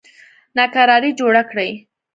ناکراري جوړه کړي.